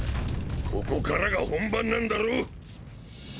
ここからが本番なんだろ？